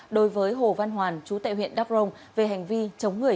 đối với hồ văn hoàn chú tệ huyện đắk rông về hành vi chống người